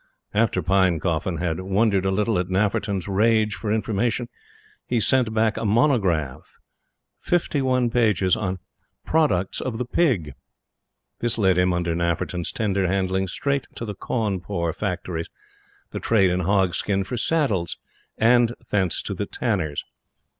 After Pinecoffin had wondered a little at Nafferton's rage for information, he sent back a monograph, fifty one pages, on "Products of the Pig." This led him, under Nafferton's tender handling, straight to the Cawnpore factories, the trade in hog skin for saddles and thence to the tanners.